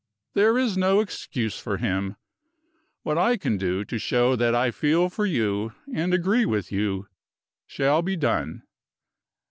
There is no excuse for him. What I can do to show that I feel for you, and agree with you, shall be done.